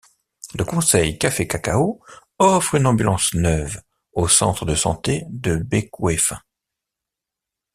Le conseil Café Cacao offre une ambulance neuve au centre de santé de Bécouéfin.